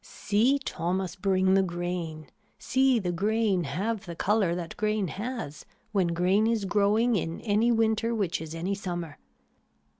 See Thomas bring the grain, see the grain have the color that grain has when grain is growing in any winter which is any summer.